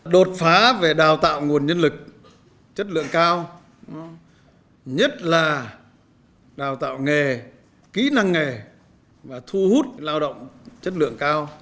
đột phá về đào tạo nguồn nhân lực chất lượng cao nhất là đào tạo nghề kỹ năng nghề và thu hút lao động chất lượng cao